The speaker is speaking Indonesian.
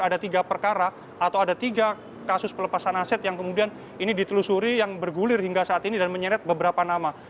ada tiga perkara atau ada tiga kasus pelepasan aset yang kemudian ini ditelusuri yang bergulir hingga saat ini dan menyeret beberapa nama